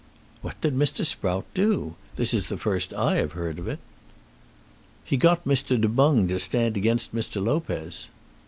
"What did Mr. Sprout do? This is the first I have heard of it." "He got Mr. Du Boung to stand against Mr. Lopez."